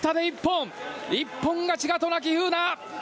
一本勝ち、渡名喜風南！